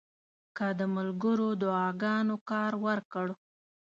که د ملګرو دعاګانو کار ورکړ.